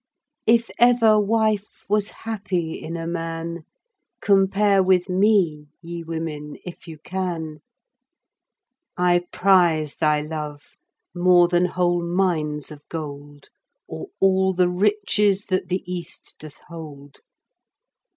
If ever wife was happy in a man, Compare with me, ye women, if you can. I prize thy love more than whole Mines of gold Or all the riches that the East doth hold.